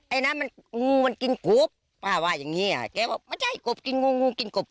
ไอ้น้ำมันงูมันกินกบป้าว่าอย่างนี้ไก่บอกไม่ใช่กบกินงูงูกินกบ